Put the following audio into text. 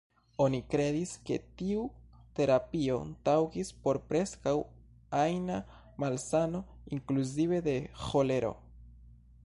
Oni kredis ke tiu terapio taŭgis por preskaŭ ajna malsano inkluzive de ĥolero.